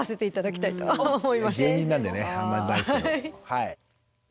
はい。